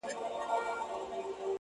نو پیاده څنګه روان پر دغه لار دی،